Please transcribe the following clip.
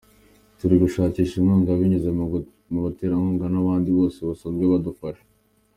Turi gushakisha inkunga binyuze mu baterankunga n’abandi bose basanzwe badufasha.